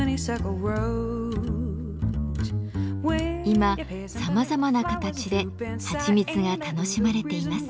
今さまざまな形ではちみつが楽しまれています。